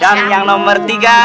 dan yang nomor tiga